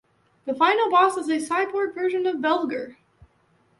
The final boss is a cyborg version of Belger.